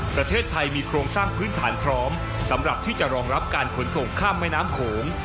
ประเทศไทยมีโครงสร้างพื้นฐานพร้อมสำหรับที่จะรองรับการขนส่งข้ามแม่น้ำโขง